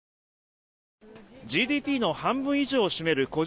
ＧＤＰの半分以上を占める個人